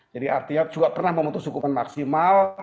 jadi artinya juga pernah memutus hukuman maksimal